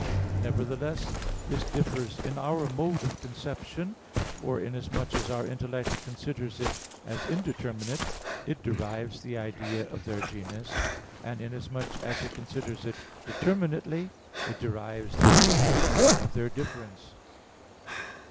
Nevertheless, this differs in our mode of conception; for, inasmuch as our intellect considers it as indeterminate, it derives the idea of their genus; and inasmuch as it considers it determinately, it derives the idea of their "difference."